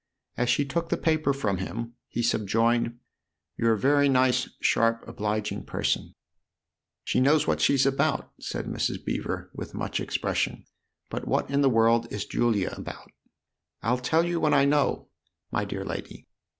As she took the paper from him he subjoined :" You're a very nice, sharp, obliging person." " She knows what she's about !" said Mrs. Beever with much expression. " But what in the world is Julia about ?" tf I'll tell you when / know, my dear lady."